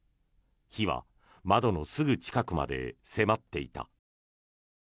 火は窓のすぐ近くまで迫っていた。